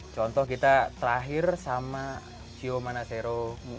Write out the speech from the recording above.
contoh kita terakhir sama cio manasero